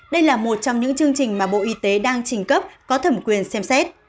đây là một trong những chương trình mà bộ y tế đang trình cấp có thẩm quyền xem xét